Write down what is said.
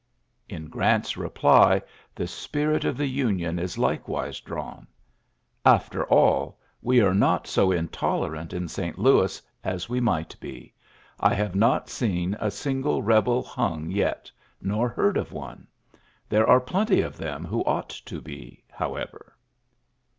'' In Grant's reply the spirit of the Union is likewise drawn :^^ After all, we are not so intolerant in St. Louis as we might be. I have not seen a single rebel hung yet^ nor heard of one. There are plenty of them who ought to be, how ever."